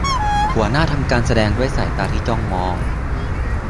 หัวหน้าทำการแสดงด้วยสายตาที่จ้องมอง